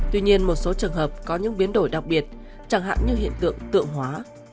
tuy nhiên một số trường hợp có những biến đổi đặc biệt chẳng hạn như hiện tượng hóa